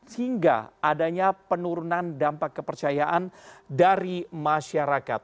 sehingga adanya penurunan dampak kepercayaan dari masyarakat